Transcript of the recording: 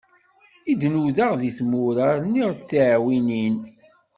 I d-nudaɣ deg tmura, rniɣ-d tiɛwinin.